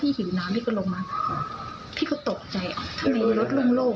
พี่มีเบอร์เขาอยู่ใช่ไหมพี่ก็โทรไปแต่มีเบอร์เบอร์พี่